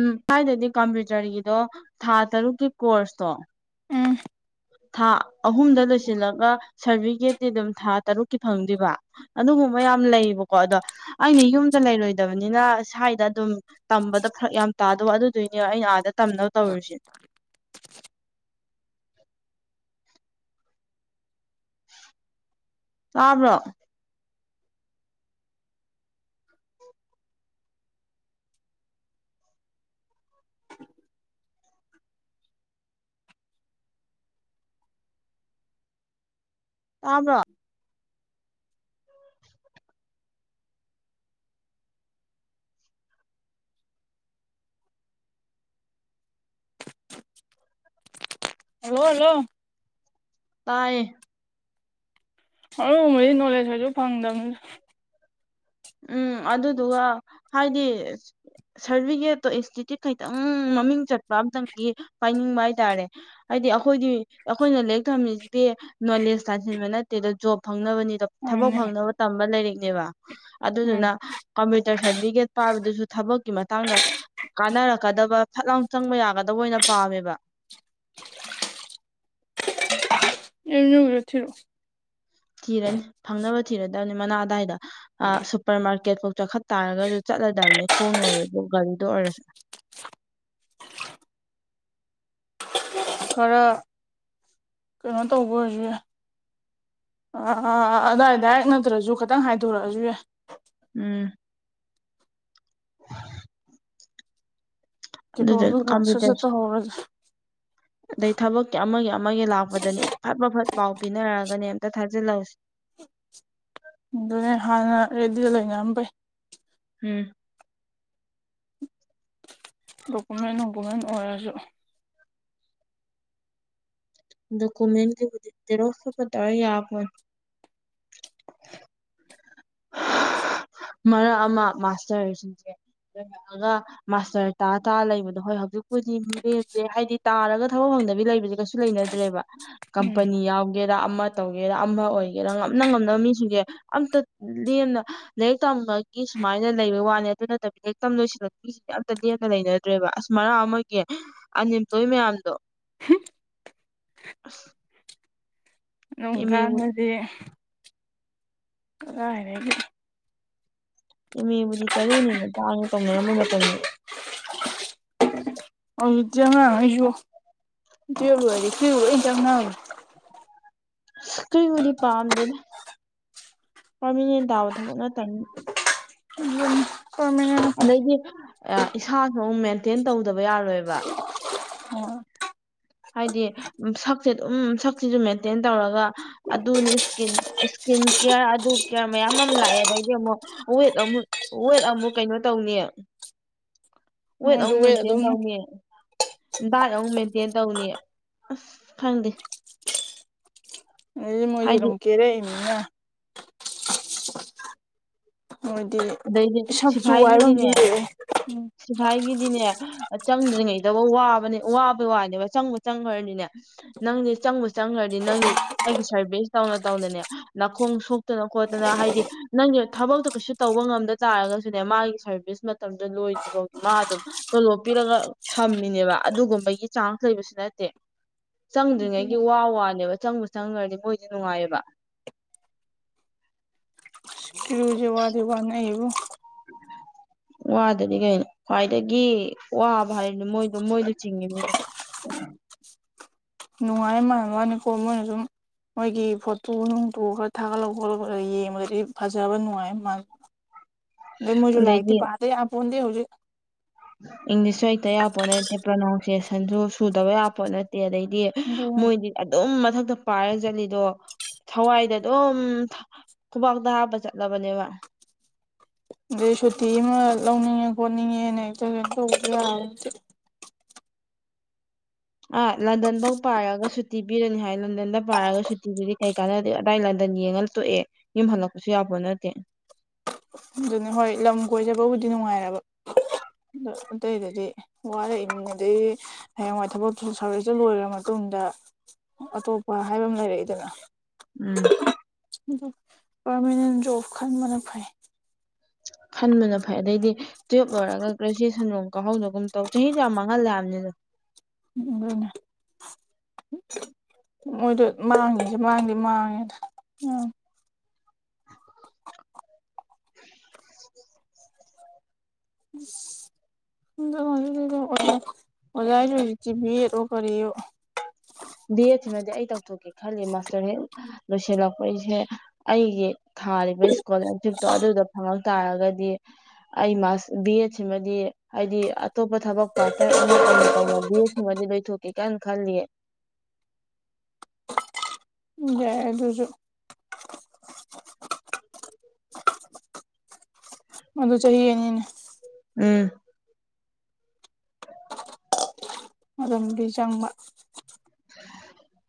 ꯎꯝ ꯁ꯭ꯋꯥꯏꯗꯗꯤ ꯀꯝꯄ꯭ꯌꯨꯇꯔꯒꯤꯗꯣ ꯊꯥ ꯇꯔꯨꯛꯀꯤ ꯀꯣꯔꯁꯇꯣ ꯎꯝ ꯊꯥ ꯑꯍꯨꯝꯗ ꯂꯣꯏꯁꯤꯜꯂꯒ ꯁꯥꯔꯇꯤꯐꯤꯀꯦꯠꯇꯤ ꯑꯗꯨꯝ ꯊꯥ ꯇꯔꯨꯛꯀꯤ ꯐꯪꯗꯣꯏꯕ ꯑꯗꯨꯒꯨꯝꯕ ꯌꯥꯝ ꯂꯩꯌꯦꯕꯀꯣ ꯑꯗꯣ ꯑꯩꯅ ꯌꯨꯝꯗ ꯂꯩꯔꯣꯏꯗꯕꯅꯤꯅ ꯁ꯭ꯋꯥꯏꯗ ꯑꯗꯨꯝ ꯇꯝꯕꯗ ꯐꯔꯛ ꯌꯥꯝ ꯇꯥꯗꯧꯕ ꯑꯗꯨꯗꯨꯏꯅꯦ ꯑꯩꯅ ꯑꯥꯗ ꯇꯝꯅꯕ ꯇꯧꯔꯤꯁꯦ ꯇꯥꯕ꯭ꯔꯣ ꯇꯥꯕ꯭ꯔ ꯍꯜꯂꫭ ꯍꯜꯂꫭ ꯇꯥꯏꯌꯦ ꯑꯗꯨꯝꯕꯩꯗꯤ ꯅꯣꯂꯦꯁ ꯀꯩꯁꯨ ꯐꯪꯗꯝꯅꯤꯗ ꯎꯝ ꯑꯗꯨꯗꯨꯒ ꯍꯥꯏꯗꯤ ꯁꯥꯔꯇꯤꯐꯤꯀꯦꯠꯇꯣ ꯏꯟꯁꯇꯤꯇ꯭ꯌꯨꯠ ꯈꯩꯇꯪ ꯃꯃꯤꯡ ꯆꯠꯄ ꯑꯝꯇꯪꯀꯤ ꯄꯥꯏꯅꯤꯡꯕ ꯍꯥꯏꯇꯥꯔꯦ ꯍꯥꯏꯗꯤ ꯑꯩꯈꯣꯏꯒꯤ ꯑꯩꯈꯣꯏꯅ ꯂꯥꯏꯔꯤꯛ ꯊꯝꯃꯤꯁꯤꯗꯤ ꯅꯣꯂꯦꯖ ꯇꯥꯟꯁꯤꯟꯕ ꯅꯠꯇꯦꯗ ꯖꯣꯕ ꯐꯪꯅꯕꯗ ꯊꯕꯛ ꯑꯗꯨꯅꯦ ꯐꯪꯅꯕ ꯇꯝꯕ ꯂꯥꯏꯔꯤꯛꯅꯦꯕ ꯎꯝ ꯑꯗꯨꯗꯨꯅ ꯀꯝꯄ꯭ꯌꯨꯇꯔ ꯁꯥꯔꯇꯤꯐꯤꯀꯦꯠ ꯄꯥꯏꯕꯗꯨꯁꯨ ꯊꯕꯛꯀꯤ ꯃꯇꯥꯡꯗ ꯀꯥꯟꯅꯔꯛꯀꯗꯕ ꯐꯠꯂꯥꯎ ꯆꯪꯕ ꯌꯥꯒꯗꯕ ꯑꯣꯏꯅ ꯄꯥꯝꯃꯦꯕ ꯑꯩ ꯃꯅꯨꯡ ꯕꯨꯛꯇ ꯊꯤꯜꯂꫭ ꯊꯤꯔꯅꯤ ꯐꯪꯅꯕ ꯊꯤꯔꯗꯕꯅꯤ ꯃꯅꯥꯛ‌ ꯑꯗꯥꯏꯗ ꯁꯨꯄꯔ ꯃꯥꯔꯀꯦꯠ ꯐꯥꯎ ꯆꯈꯠ ꯇꯥꯔꯒꯁꯨ ꯆꯠꯂꯗꯕꯅꯦ ꯈꯣꯡꯅ ꯑꯣꯏꯔꯖꯨ ꯒꯥꯔꯤꯗ ꯑꯣꯏꯔꯁꯨ ꯈꯔ ꯀꯩꯅꯣ ꯇꯧꯕ ꯑꫭꯏꯖꯨ ꯌꯥꯏ ꯑꯥ ꯑꯥ ꯑꯥ ꯑꯗꯥꯏ ꯗꯥꯏꯔꯦꯛ ꯅꯠꯇ꯭ꯔꯁꯨ ꯈꯤꯇꯪ ꯍꯥꯏꯗꯣꯔꯛꯑꯁꯨ ꯌꯥꯏ ꯎꯝ ꯀ ꯑꯗꯨꯗ ꯑꯗꯨ ꯔ ꯁꯁꯠꯇ ꯀꯝꯄ꯭ꯌꯨꯇꯔꯁ ꯍꯔꯗ꯭ꯔꯦ ꯑꯗꯩ ꯊꯕꯛꯀꯤ ꯑꯃꯒꯤ ꯑꯃꯒꯤ ꯂꯥꯛꯄꯗꯅꯤ ꯐꯠ ꯐꯠ ꯐꯠ ꯄꯥꯎ ꯄꯤꯅꯔꯒꯅꯦ ꯑꯝꯇ ꯊꯥꯖꯤꯜꯍꯧꯁꯤ ꯑꯗꯨꯅꯦ ꯍꯥꯟꯅ ꯔꯦꯗꯤꯗ ꯂꯩꯅꯔꯝꯕꯩ ꯎꯝ ꯗꯣꯀꯨꯃꯦꯟ ꯅꫠꯀꯨꯃꯦꯟ ꯑꯣꯏꯔꯁꯨ ꯗꯣꯀꯨꯃꯦꯟ ꯀꯩꯀꯩ ꯖꯦꯔꫭꯁ ꯈ ꯈ ꯇꯧꯕ ꯌꯥꯔ ꯄꫭꯠꯅꯤ ꯃꯔꯛ ꯑꯃ ꯃꯥꯁꯇꯔꯁꯤꯡꯁꯦ ꯂꯔꯛꯑꯒ ꯃꯥꯁꯇꯔ ꯇꯥ ꯇꯥ ꯂꯩꯕꯗꯣ ꯍꯣꯏ ꯍꯧꯖꯤꯛꯄꯨꯗꯤ ꯃꯤꯔꯦꯝꯁꯦ ꯍꯥꯏꯗꯤ ꯇꯥꯔꯒ ꯊꯕꯛ ꯐꯪꯗꯕꯤ ꯂꯩꯕꯁꯦ ꯀꯩ ꯨ ꯂꯩꯅꯗ꯭ꯔꯦꯕ ꯎꯝ ꯀꯝꯄꯅꯤ ꯌꯥꯎꯒꯦꯔꯥ ꯑꯃ ꯇꯧꯒꯦꯔꯥ ꯑꯃ ꯑꯣꯏꯒꯦꯔꯥ ꯉꯝꯅ ꯉꯝꯅꯕ ꯃꯤꯁꯤꯡꯁꯦ ꯑꯝꯇ ꯂꯦꯝꯅ ꯂꯥꯏꯔꯤꯛ ꯇꯝꯃꯒꯤ ꯁꯨꯃꯥꯏꯅ ꯂꯩꯕ ꯋꯥꯅꯤ ꯑꯗꯨ ꯅꯠꯇꯕꯤ ꯂꯥꯏꯔꯤꯛ ꯇꯝꯗꯣꯏꯁꯤꯅ ꯁꯤ ꯑꯝꯇ ꯂꯦꯛꯀ ꯂꯩꯅꯗ꯭ꯔꯦꯕ ꯑꯁ ꯃꯔꯥ ꯑꯃꯒꯤ ꯑꯟꯑꯦꯝꯄ꯭ꯂꯣꯏ ꯃꯌꯥꯝꯗꯣ ꯑꯁ ꯑꯗꯨꯝ ꯀꯥꯟ ꯃꫭꯏꯗꯤ ꯀꯔꯥꯏꯗꯒꯤ ꯏꯃꯦꯕꯨꯗꯤ ꯆꯠꯂꯨꯅꯤꯅ ꯄꯥꯛꯅ ꯇꯧꯅꯔꯝꯕ ꯃꯇꯝꯗ ꯍꯧꯖꯤꯛ ꯇꯤ ꯑꯅꯥꯡ ꯀꯩꯁꯨ ꯇꯣꯌꯦꯞ ꯂꯣꯏꯔꯗꯤ ꯂꯣꯏ ꯆꯅꯅꯈꯔ꯭ꯦ꯫ ꯑꯁ ꯀꯩꯅꯤꯗꯤ ꯄꯥꯝꯗꯦꯗ ꯄꯥꯔꯃꯤꯅꯦꯟ ꯇꯥꯕ ꯊꯕꯛ ꯅꯠꯇꯕꯅꯤ [unintelligible] ꯑꯩꯒꯤ ꯏꯁꯥꯁꯨ ꯑꯃꯨꯛ ꯃꯦꯟꯇꯦꯟ ꯇꯧꯗꯕ ꯌꯥꯔꯣꯏꯕ꯫ ꯍꯥꯏꯗꯤ ꯁꯛꯁꯦ ꯑꯗꯨꯝ ꯁꯛꯁꯤꯁꯨ ꯃꯦꯟꯇꯦꯟ ꯇꯧꯔꯒ ꯑꯗꯨꯅꯤ ꯏꯁꯀꯤꯟ ꯏꯁꯀꯤꯟ ꯀꯦꯌꯔ ꯑꯗꯨ ꯀꯦꯌꯥꯔ ꯃꯌꯥꯝ ꯑꯃ ꯂꯥꯛꯑꯦ ꯑꯗꯩꯗꯤ ꯑꯃꯨꯛ ꯋꯦꯠ ꯑꯃꯨꯛ ꯋꯦꯠ ꯑꯃꯨꯛ ꯀꯩꯅꯣ ꯇꯧꯅꯤ꯫ ꯋꯦꯠ ꯃꯣꯏꯁꯨ ꯑꯃꯨꯛ ꯃꯦꯟꯇꯦꯟ ꯑꯗꯨꯝ ꯇꯧꯅꯤ꯫ ꯗꯥꯏꯠ ꯑꯃꯨ ꯃꯦꯟꯇꯦꯟ ꯇꯧꯅꯤ ꯑꯁ ꯈꯪꯗꯦ꫰꯫ ꯃꯣꯏꯁꯦ ꯍꯥꯏꯗꯤ ꯑꯗꯨꯨꯝ ꯀꯦꯔꯛꯏꯅꯤꯅ ꯑꯗꯩꯗꯤ ꯍꯥꯏꯣꯏꯗꯤꯛꯁꯨꯨ ꯋꯥꯏꯔꯣꯟꯁꯨ ꯂꯩꯑꯦ ꯎꯝ ꯁꯤꯈꯥꯏꯒꯤꯗꯤꯅꯦ ꯆꯪꯗ꯭ꯔꯤꯉꯩꯗꯧꯕ ꯋꯥꯕꯅꯦ ꯋꯥꯕ ꯋꯥꯅꯦꯕ ꯆꯪꯕ ꯆꯪꯈ꯭ꯔꯅꯤꯅꯦ꯫ ꯅꯪꯗꯤ ꯆꯪꯕ ꯆꯪꯈ꯭ꯔꯗꯤ ꯅꯪꯗꯤ ꯑꯩꯒꯤ ꯁꯥꯔꯚꯤꯁ ꯇꯧꯅ ꯇꯧꯅꯅꯦ ꯅꯥꯈꯣꯡ ꯁꯣꯛꯇꯅ ꯈꯣꯠꯇꯅ ꯍꯥꯏꯗꯤ ꯅꯪꯒꯤ ꯊꯕꯛꯇꯣ ꯀꯩꯁꯨ ꯇꯧꯕ ꯉꯝꯗ ꯇꯥꯔꯒꯁꯨꯅꯦ ꯃꯥꯒꯤ ꯁꯔꯚꯤꯁ ꯃꯇꯝꯗꯣ ꯂꯣꯏ ꯒꯤ ꯃꯥ ꯑꯗꯨꯝ ꯇꯣꯂꯣꯞ ꯄꯤꯔꯒ ꯊꯝꯃꯤꯅꯦꯕ ꯑꯗꯨꯒꯨꯝꯕꯒꯤ ꯆꯥꯡꯁ ꯂꯩꯕꯁꯨ ꯅꯠꯇꯦ꯫ ꯆꯪꯗ꯭ꯔꯤꯉꯩꯒꯤ ꯋꯥ ꯋꯥꯅꯦꯕ ꯆꯪꯕ ꯆꯪꯈ꯭ꯔꯗꯤ ꯃꯣꯏꯗꯤ ꯅꯨꯡꯉꯥꯏꯑꯕ꯫ ꯋ꯭ꯗꯤ ꯅꯌꯦꯕꯨꯣ [unintelligible] [inaudible] ꯋꯥꯗꯗꯤ ꯀꯩꯅꯣ ꯈ꯭ꯋꯥꯏꯗꯒꯤ ꯋꯥꯕ ꯍꯥꯏꯔꯤꯅꯤ ꯃꯣꯏꯗꯣ ꯃꯣꯏꯗꯣ ꯆꯤꯡꯉꯕꯅꯤ ꯀꯩꯅꯣ꯫ ꯅꯨꯡꯉꯥꯏꯔ ꯃꯥꯟꯅꯕ ꯃꯥꯅꯤꯀꯣ ꯃꯣꯏꯅ ꯑꯗꯨꯝ ꯃꯣꯏꯒꯤ ꯐꯣꯇꯣ ꯅꯨꯡꯇꯨ ꯈꯔ ꯊꯥꯒꯠꯂꯕ ꯈꯣꯠꯂ ꯈꯔ ꯌꯦꯡꯕꯗꯗꯤ ꯐꯖꯕ ꯅꯨꯡꯉꯥꯏ ꯃꯥ [unintelligible] [inaudible] ꯂꯩ ꯃꯣꯏ ꯂꯥꯏꯇꯤ ꯑꯗꯩꯗꯤ ꯄꯥꯗꯦ ꯑꯣꯣꯟꯗ ꯍꯧꯖꯤꯛ ꯏꯪꯂꯤꯁꯁꯨ ꯍꯩꯇ ꯌꯥꯕ ꯄꯣꯠ ꯅꯠꯇꯦ ꯄ꯭ꯔꯣꯅꯥꯎꯟꯁꯤꯌꯦꯁꯟꯁꯨ ꯁꯨꯗꯕ ꯌꯥꯕ ꯄꯣꯠ ꯅꯠꯇꯦ ꯑꯗꯩꯗꯤ ꯃꯣꯏꯗꯤ ꯑꯗꯨꯝ ꯃꯊꯛꯇ ꯄꯥꯏꯔꯒ ꯆꯠꯂꯤꯗꯣ ꯊꯋꯥꯏꯗ ꯑꯗꯨꯝ ꯈꯨꯕꯇꯥ ꯍ ꯆꯠꯂꯕꯅꯦ ꯋꯥ ꯑꯗꯩ ꯁꯨꯇꯤ ꯑꯃ ꯂꯧꯅꯤꯡꯉꯦ ꯈꯣꯠꯅꯤꯡꯉꯦꯅꯦꯛꯇꯩꯅꯣ ꯇꯧꯕ ꯌꯥ꯫ ꯑꯥ ꯂꯟꯗꯟꯐꯧ ꯄꯥꯏꯔꯒꯁꯨ ꯁꯨꯇꯤ ꯄꯤꯔꯅꯤ ꯍꯥꯏ ꯂꯟꯗꯟꯗ ꯄꯥꯔꯒ ꯁꯨꯇꯤꯗꯨꯗꯤ ꯀꯩ ꯀꯥꯟꯅꯗ ꯑꯗꯥꯏ ꯂꯟꯗꯟ ꯌꯦꯡꯉꯒ ꯇꯣꯛꯑꯦ꯫ ꯌꯨꯝ ꯍꯜꯂꯛꯄꯁꯨ ꯌꯥꯄꯣꯠ ꯅꯠꯇꯦ꯫ ꯑꯗꯨꯅꯤ ꯍꯣꯏ ꯂꯝ ꯀꯣꯏꯖꯕꯕꯨꯗꯤ ꯅꯨꯡꯉꯥꯏꯔꯕ꯫ ꯑ ꯑꯇꯩꯗꯗꯤ ꯋꯥꯔꯛꯏꯃꯨꯡ ꯑꯗꯗꯒꯤ ꯍꯌꯦꯡꯋꯥꯏ ꯊꯕꯛꯇ ꯁꯧꯔꯤꯁꯇ ꯂꯣꯏꯔꯕ ꯃꯇꯨꯡꯗ ꯑꯇꯣꯞꯄ ꯍꯥꯏꯕ ꯑꯃ ꯂꯩꯔꯛꯏꯗꯅ ꯎꯝ ꯄꯔꯃꯅꯦꯟ ꯖꯣꯕ ꯈꯟꯕꯅ ꯐꯩ꯫ ꯈꯟꯕꯅ ꯐꯩ ꯑꯗꯩꯗꯤ ꯇꯨꯌꯦꯜꯞ ꯂꯣꯏꯔꯒ ꯒ꯭ꯔꯦꯖꯨꯦꯁꯟ ꯂꯣꯝ ꯀ ꯀꯥꯡꯍꯧꯅꯒꯨꯝ ꯇꯧ ꯆꯍꯤꯁꯨ ꯌꯥꯝ ꯃꯥꯡꯍꯜꯂ ꯍꯥꯏꯕꯅꯤꯗ ꯫ ꯎꯅꯦ꯫ ꯃꯣꯏꯗꯣ ꯃꯥꯡꯉꯦꯁꯦ ꯃꯥꯡꯗꯤ ꯃꯥꯡꯉꯦꯗ ꯎꯝ [inaudible] ꯏꯁ ꯖꯤꯛꯗ ꯑꯣꯖꯥ ꯍꯥꯏꯁꯨ ꯍꯧꯖꯤꯛꯇꯤ ꯕꯦꯠ ꯂꯣ ꯀꯔꯤꯌꯣ ꯫ ꯕꯤ ꯑꯦꯗꯁꯤꯃꯗꯤ ꯑꯩ ꯇꯧꯊꯣꯛꯀꯦ ꯈꯜꯂꯤ ꯃꯥꯁꯇꯔ ꯍꯦꯛ ꯂꯣꯏꯁꯤꯜꯂꯛꯄ ꯑꯩꯁꯦ ꯑꯩꯒꯤ ꯊꯥꯔꯤꯕ ꯏꯁꯀꯣꯂꯔꯁꯤꯞꯇꯣ ꯑꯗꯨꯗ ꯐꯉꯥ ꯇꯥꯔꯒꯗꯤ ꯑꯩ ꯕꯤ ꯑꯦꯗ ꯁꯤꯃꯗꯤ ꯍꯥꯏꯗꯤ ꯑꯇꯣꯞꯄ ꯊꯕꯛ ꯄꯥꯔꯠ ꯇꯥꯏꯝ ꯑꯃ ꯇꯧꯅ ꯇꯧꯅ ꯕꯤ ꯑꯦꯠꯁꯤꯡꯃꯗꯤ ꯂꯣꯏꯊꯣꯛꯀꯦ ꯀꯥꯏꯅ ꯈꯜꯂꯤꯌꯦ꯫ ꯌꯥ ꯑꯗꯨꯁꯨ [inaudible] ꯑꯗꯨ ꯆꯍꯤ ꯑꯅꯤꯅꯦ ꯎꯝ ꯃꯔꯝꯗꯤ ꯆꯪꯕ [unintelligible]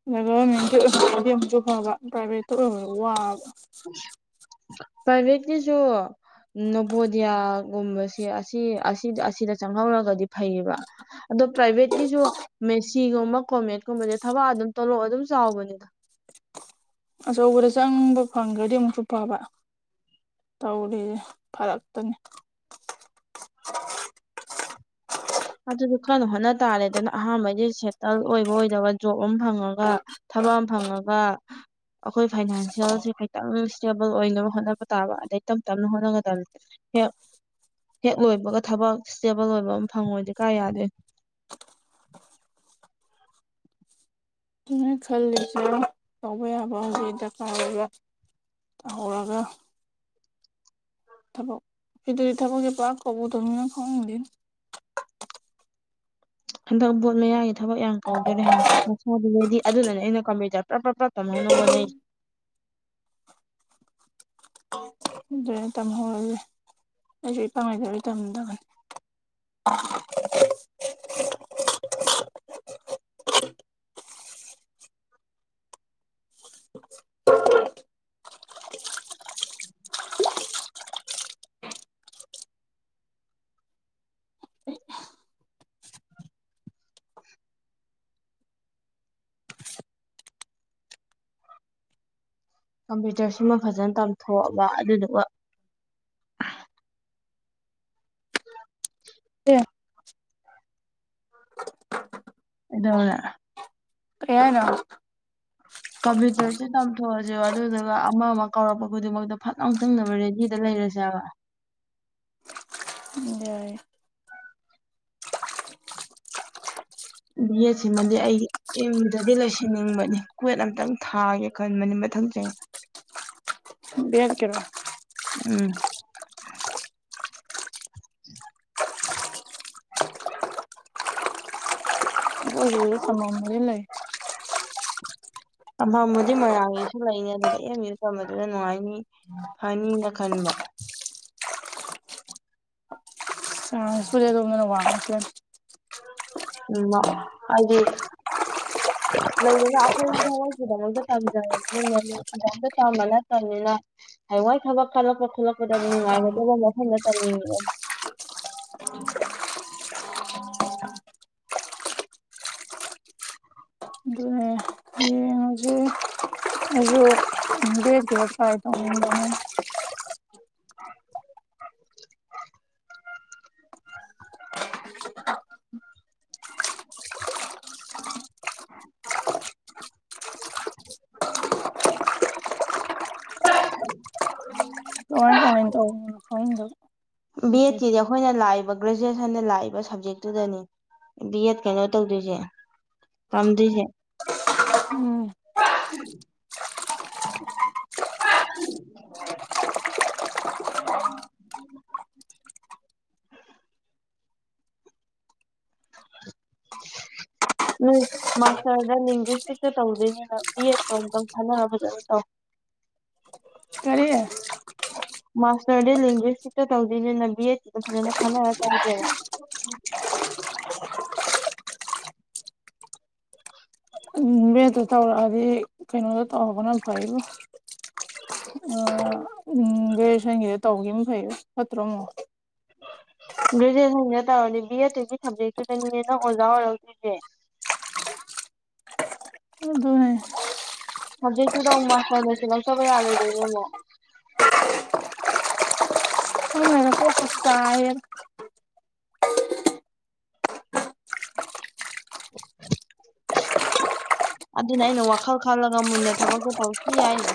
ꯑꯗ ꯒꯚꯔꯃꯦꯟꯒꯤ ꯑꯣꯏꯍꯧꯔꯗꯤ ꯑꯃꯨꯛꯁꯨ ꯐꯕ ꯄ꯭ꯔꯥꯏꯚꯦꯠꯇ ꯑꯣꯏꯕ ꯋꯥꯕ ꯄꯔꯥꯏꯚꯦꯠꯀꯤꯁꯨ ꯅꯣꯕꯣꯗꯤꯌꯥꯒꯨꯝꯕꯁꯦ ꯑꯁꯤ ꯑꯁꯤꯗ ꯑꯁꯤꯗ ꯆꯪꯍꯧꯔꯒꯗꯤ ꯐꯩꯌꯦꯕ ꯑꯗꯣ ꯄ꯭ꯔꯥꯏꯚꯦꯠꯀꯤꯁꯨ ꯃꯦꯁꯤꯒꯨꯝꯕ ꯀꯣꯃꯦꯠꯀꯨꯝꯕꯁꯦ ꯊꯕꯛ ꯑꯗꯨꯝ ꯇꯣꯂꯣꯞ ꯑꯗꯨꯝ ꯆꯥꯎꯕꯅꯤꯗ ꯑꯆꯧꯕꯗ ꯆꯪꯕ ꯐꯪꯒ꯭ꯔꯗꯤ ꯑꯃꯨꯛꯁꯨ ꯐꯕ ꯇꯧꯔꯤꯖꯦ ꯐꯔꯛꯇꯅꯤ ꯑꯗꯨꯖꯨ ꯀꯟꯅ ꯍꯣꯠꯅ ꯇꯥꯔꯦꯗꯅ ꯑꯍꯥꯟꯕꯩꯗꯤ ꯁꯦꯇꯜ ꯑꯣꯏꯕ ꯑꯣꯏꯗꯕ ꯖꯣꯕ ꯑꯃ ꯐꯪꯉꯒ ꯊꯕꯛ ꯑꯃ ꯐꯪꯉꯒ ꯑꯈꯣꯏ ꯐꯥꯏꯅꯥꯟꯁꯤꯌꯦꯜꯁꯦ ꯈꯤꯇꯪ ꯏꯁꯇꯦꯕꯜ ꯑꯣꯏꯅꯕ ꯍꯣꯠꯅꯕ ꯇꯥꯕ ꯑꯗꯩ ꯇꯞ ꯇꯞꯅ ꯍꯣꯠꯅꯒꯗꯝꯅꯤ ꯍꯦꯛ ꯍꯦꯛ ꯂꯣꯏꯕꯒ ꯊꯕꯛ ꯏꯁꯇꯦꯕꯜ ꯑꯣꯏꯕ ꯑꯃ ꯐꯪꯉꯣꯗꯤ ꯀꯥꯏ ꯌꯥꯗꯣꯏ ꯅꯣꯏ ꯈꯜꯂꯤꯁꯦ ꯇꯧꯕ ꯌꯥꯕ ꯍꯧꯖꯤꯛ ꯗꯔꯀꯥꯔ ꯑꯣꯏꯕ ꯍꯧꯔꯒ ꯊꯕꯛ ꯏꯗꯨꯔꯤ ꯊꯕꯛꯖꯦ ꯄꯥꯛ ꯀꯧꯗꯝꯅꯤꯅ ꯈꯪꯗꯦꯅꯦ ꯍꯟꯗꯛ ꯕꯣꯠ ꯃꯌꯥꯒꯤ ꯊꯕꯛ ꯌꯥꯝ ꯀꯧꯗꯣꯔꯦ ꯍꯥꯏꯝ ꯅꯁꯥꯗꯨ ꯔꯦꯗꯤ ꯑꯗꯨꯅꯅꯦ ꯑꯩꯅ ꯀꯝꯄ꯭ꯌꯨꯇꯔ ꯄꯔꯞ ꯄꯔꯞ ꯄꯞ ꯇꯝꯍꯧꯅꯕ ꯍꯣꯠꯅꯩꯖꯦ ꯑꯗꯨꯅꯦ ꯇꯝꯍꯧꯔꯁꯦ ꯑꯩꯖꯨ ꯏꯄꯥꯡ ꯂꯩꯇꯕꯩ ꯇꯝꯗꯕꯅꯦ ꯀꯝꯄ꯭ꯌꯨꯇꯔꯁꯤꯃ ꯐꯖꯟ ꯇꯝꯊꯣꯛꯑꯕ ꯑꯗꯨꯗꯨꯒ ꯑꯦ ꯏꯗꯨꯅꯦ ꯀꯩꯍꯥꯏꯅꯣ ꯀꯝꯄ꯭ꯌꯨꯇꯔꯁꯤ ꯇꯝꯊꯣꯛꯑꯁꯦꯕ ꯑꯗꯨꯗꯨꯒ ꯑꯃ ꯑꯃ ꯀꯥꯎꯔꯛꯄ ꯈꯨꯗꯤꯡꯃꯛꯇ ꯐꯠ ꯂꯥꯎ ꯆꯪꯅꯕ ꯔꯦꯗꯤꯗ ꯂꯩꯔꯁꯦ ꯍꯥꯏꯕ ꯌꯥꯏ ꯕꯤ ꯑꯦꯠ ꯁꯤꯃꯗꯤ ꯑꯩꯒꯤ ꯌꯨꯝꯗꯗꯤ ꯂꯩꯁꯤꯟꯅꯤꯡꯕꯅꯤ ꯀꯋꯦꯠ ꯑꯝꯇꯪ ꯊꯥꯒꯦ ꯈꯟꯕꯅꯤ ꯃꯊꯪ ꯆꯍꯤ ꯕꯦꯠ ꯀꯩꯅꯣ ꯎꯝ [unintelligible] [unintelligible] ꯊꯃꯝꯕꯨꯗꯤ ꯂꯩ [inaudible] ꯑꯝꯐꯝꯕꯨꯗꯤ ꯃꯣꯏꯔꯥꯡꯒꯤꯁꯨ ꯂꯩꯅꯤ ꯑꯗꯨꯗ ꯑ ꯌꯁꯨ ꯇꯝꯕꯗꯨꯗ ꯅꯨꯡꯉꯥꯏꯅꯤ ꯐꯅꯤꯅ ꯈꯟꯕ ꯑ ꯁꯨꯔꯦ ꯑꯗꯨ ꯃꯅ ꯋꯥ ꯎꯃ ꯍꯥꯏꯗꯤ ꯂꯩꯗꯅ ꯑꯩꯈꯣꯏꯒꯤ ꯅꯃꯣꯏꯒꯤꯗꯃꯛꯇ ꯇꯝꯖꯕꯅꯤꯅ ꯅꯃꯒꯤꯗꯛꯇ ꯇꯝꯕ ꯅꯠꯇꯕꯅꯤꯅ ꯍ ꯋꯥꯏ ꯊꯕꯛ ꯈꯜꯂꯛꯄ ꯈꯣꯠꯂꯛꯄꯗ ꯅꯨꯡꯉꯥꯏꯒꯗꯧꯕ ꯃꯐꯝꯗ ꯇꯝꯅꯤꯡꯕꯦ ꯑꯗꯨꯅꯦ ꯌꯦꯡꯉꯁꯤ [inaudible] ꯗꯦꯒꯦ ꯐꯥꯏꯗ ꯑꯣꯏꯗꯅ [inaudible] [inaudible] [unintelligible] ꯎ ꯀꯃꯥꯏ ꯀꯃꯥꯏꯟ ꯇꯧꯕꯅꯣ ꯈꯪꯗꯕ ꯕꯤ ꯏꯀꯦ ꯑꯦꯠꯀꯤꯗꯤ ꯑꯩꯈꯣꯏꯅ ꯂꯥꯛꯏꯕ ꯒ꯭ꯔꯦꯖꯨꯦꯁꯟꯗ ꯂꯥꯛꯏꯕ ꯁꯕꯖꯦꯛꯇꯨꯗꯅꯤ ꯕꯤ ꯑꯦꯗ ꯀꯩꯅꯣ ꯇꯧꯗꯣꯏꯁꯦ ꯇꯝꯗꯣꯏꯁꯦ ꯎꯝ [unintelligible] ꯅꯣꯏ ꯃꯥꯁꯇꯔꯗ ꯂꯤꯡꯒꯨꯏꯁꯇꯤꯛꯇ ꯇꯧꯗꯣꯏꯅꯤꯅ ꯕꯤ ꯑꯦꯗ ꯇꯣ ꯑꯃꯨꯛꯇꯪ ꯈꯟꯅꯔꯣ ꯐꯖꯅ ꯇꯧ [unintelligible] ꯀꯔꯤ ꯃꯥꯁꯇꯔꯗꯤ ꯂꯤꯡꯒꯨ꯭ꯋꯤꯁꯁꯤꯛꯇ ꯇꯧꯗꯣꯏꯅꯤꯅ ꯕꯤ ꯑꯦꯠ ꯀꯤꯗꯣ ꯐꯖꯅ ꯈꯟꯅꯔ ꯇꯧꯖꯦꯕ [inaudible] ꯕꯦꯠꯇꯣ ꯇꯧꯔꯛꯑꯗꯤ ꯀꯩꯅꯣꯗꯣ ꯇꯧꯍꯧꯕꯅ ꯐꯩꯕꯣ ꯑꯣ ꯎꯝ ꯒ꯭ꯔꯦꯖꯨꯑꯌꯦꯁꯟꯒꯤꯗ ꯇꯧꯈꯤꯕ ꯑꯃ ꯐꯩ ꯐꯠꯇ꯭ꯔꯣꯝꯨꯣ ꯒ꯭ꯔꯦꯖꯨꯑꯦꯁꯟꯗ ꯇꯧꯔꯗꯤ ꯕꯤ ꯑꯦꯗꯠꯇꯨꯒꯤ ꯁꯕꯖꯦꯛꯇꯨꯗꯅꯤꯅꯦ ꯅꯪ ꯑꯣꯖꯥ ꯑꯣꯏꯔꯛꯗꯁꯦ ꯑꯗꯨ ꯑꯗꯨ ꯍꯦ ꯍꯧꯖꯤꯦ ꯆꯗ ꯃꯥꯁꯗꯁꯤ ꯁꯩ ꯌꯥꯜꯗ ꯂꯩꯅꯦ ꯑꯃ [unintelligible] [inaudible] ꯑꯗꯨꯅ ꯑꯩꯅ ꯋꯥꯈꯜ ꯈꯜꯂꯒ ꯃꯨꯟꯅ ꯊꯕꯛꯇꯣ ꯇꯧꯁꯤ ꯌꯥꯏꯁꯦ